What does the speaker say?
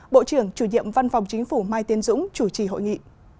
bộ trưởng chủ nhiệm văn phòng chính phủ mai tiến dũng chủ trì hội nghị